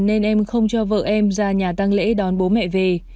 nên em không cho vợ em ra nhà tăng lễ đón bố mẹ về